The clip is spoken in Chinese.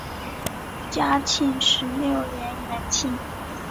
嘉庆十六年园寝。